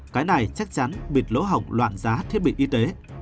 cái này chắc chắn bịt lỗ hỏng loạn giá thiết bị y tế